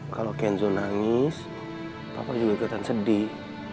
kalau genzo nangis papa juga kelihatan sedih